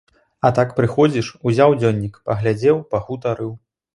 А так, прыходзіш, узяў дзённік, паглядзеў, пагутарыў.